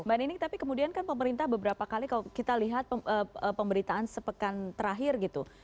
mbak nining tapi kemudian kan pemerintah beberapa kali kalau kita lihat pemberitaan sepekan terakhir gitu